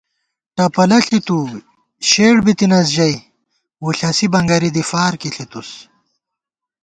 ٹپَلہ ݪِتُو شیڑ بِتَنَئیس ، ژَئی وُݪَسی بنگَری دی فارکی ݪِتُوس